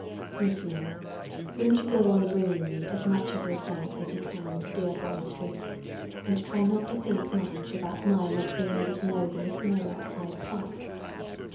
Miss Noah, won't you go on bringing me as much of yourself as you can to Dearborn Street, and try not to think much about my not being able to know the Miss Noah of Hyde Park?